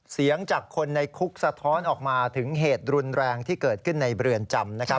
เสียงจากคนในคุกสะท้อนออกมาถึงเหตุรุนแรงที่เกิดขึ้นในเรือนจำนะครับ